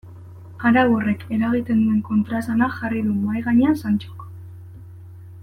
Arau horrek eragiten duen kontraesana jarri du mahai gainean Santxok.